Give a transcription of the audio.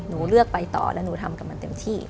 หนูเลือกไปต่อและหนูทำกับมันเต็มที่